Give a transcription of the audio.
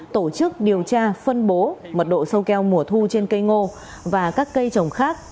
tổ chức điều tra phân bố mật độ sâu keo mùa thu trên cây ngô và các cây trồng khác